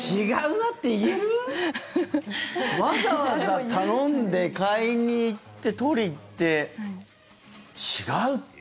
わざわざ頼んで買いに行って取りに行って、違うって。